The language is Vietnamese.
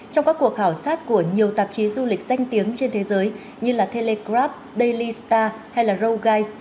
trong các cuộc khảo sát của nhiều tạp chí du lịch danh tiếng trên thế giới như là telegraph daily star hay là rollguys